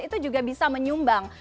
itu juga bisa menyumbang